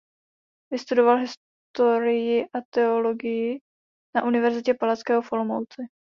Vystudoval historii a teologii na Univerzitě Palackého v Olomouci.